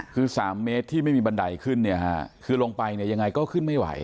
คือ๓เมตรที่ไม่มีบันไดขึ้นเนี่ยฮะคือลงไปเนี่ยยังไงก็ขึ้นไม่ไหว